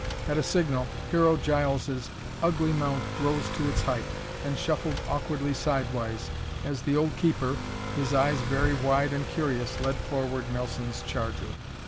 At a signal, Hero Giles' ugly mount rose to its height and shuffled awkwardly sidewise, as the old keeper, his eyes very wide and curious, led forward Nelson's charger.